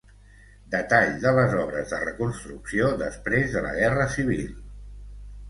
Detall de les obres de reconstrucció després de la guerra civil.